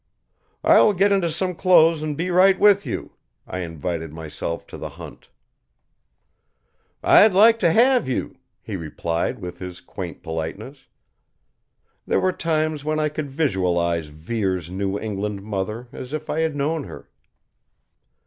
"I will get into some clothes and be right with you," I invited myself to the hunt. "I'd like to have you," he replied with his quaint politeness. There were times when I could visualize Vere's New England mother as if I had known her.